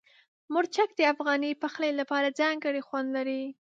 مرچک د افغاني پخلي لپاره ځانګړی خوند لري.